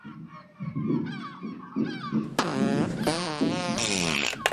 是为纪念八位在此牺牲的东北抗日联军女战士所修建的一系列纪念性建筑物。